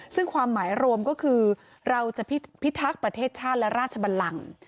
ซึ่งความหมายรวมก็คือเราจะพิทักษ์ประเทศชาติและราชบันลัง